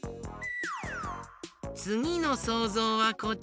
つぎのそうぞうはこちら。